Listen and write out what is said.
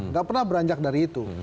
nggak pernah beranjak dari itu